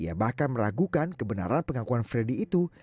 ia bahkan meragukan kebenaran pengakuan freddy itu